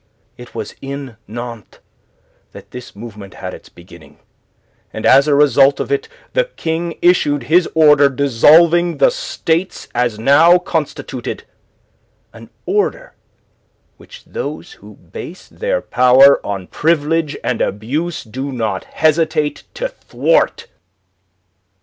It was in Nantes that this movement had its beginning, and as a result of it the King issued his order dissolving the States as now constituted an order which those who base their power on Privilege and Abuse do not hesitate to thwart.